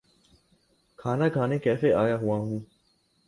کھانا کھانے کیفے آیا ہوا ہوں۔